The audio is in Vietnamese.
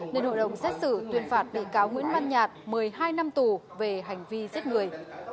nên hội đồng xét xử tuyên phạt bị cáo nguyễn văn nhạt một mươi hai năm tù về hành vi giết người